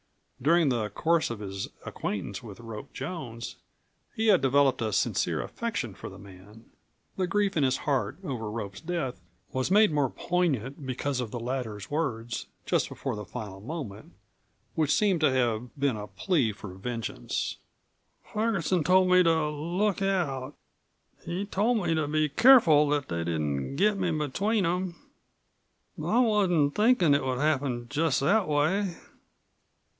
During the course of his acquaintance with Rope Jones he had developed a sincere affection for the man. The grief in his heart over Rope's death was made more poignant because of the latter's words, just before the final moment, which seemed to have been a plea for vengeance: "Ferguson told me to look out. He told me to be careful that they didn't get me between them. But I wasn't thinkin' that it would happen just that way."